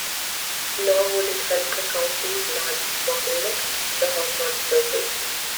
Nor would it help the county's largest bottleneck, the Hawthorne Circle.